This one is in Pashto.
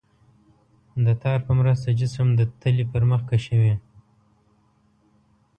د تار په مرسته جسم د تلې پر مخ کشوي.